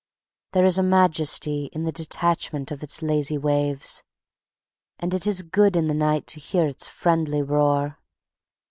There is a majesty in the detachment of its lazy waves, and it is good in the night to hear its friendly roar.